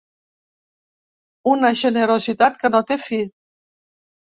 Una generositat que no té fi.